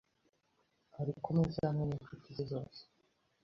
Ari ku meza hamwe n’inshuti ze zose